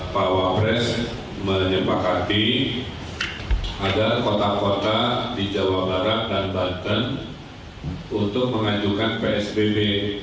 pak wabres menyempakati ada kota kota di jawa barat dan banten untuk mengajukan psbb